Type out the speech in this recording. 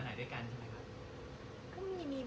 ก็คุยกับพี่เขาคนเดียว